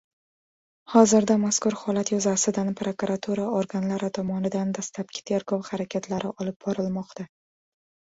Hozirda mazkur holat yuzasidan prokuratura organlari tomonidan dastlabki tergov harakatlari olib borilmoqda